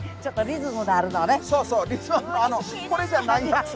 リズムあるのあのこれじゃないやつ。